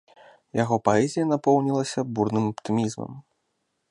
Яго паэзія напоўнілася бурным аптымізмам.